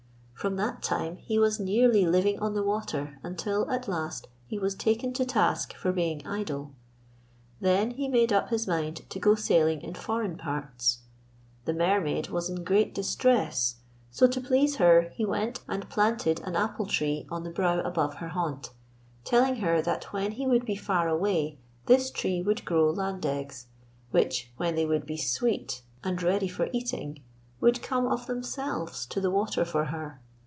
From that time he was nearly living on the water until, at last, he was taken to task for being idle. Then he made up his mind to go sailing in foreign parts. The Mermaid was in great distress, so to please her, he went and planted an apple tree on the brow above her haunt, telling her that when he would be far away this tree would grow land eggs which, when they would be sweet and ready for eating, would come of themselves to the water for her.